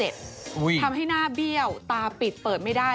ทำให้หน้าเบี้ยวตาปิดเปิดไม่ได้